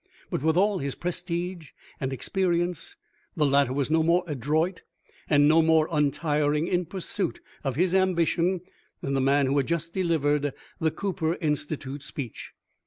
But with all his prestige and experience the latter was no more adroit and no more untiring in pursuit of his ambition than the man who had just delivered the Cooper Institute speech.